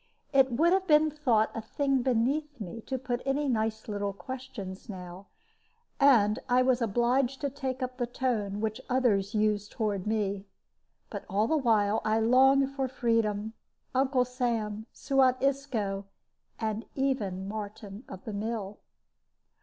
It would have been thought a thing beneath me to put any nice little questions now, and I was obliged to take up the tone which others used toward me. But all the while I longed for freedom, Uncle Sam, Suan Isco, and even Martin of the Mill.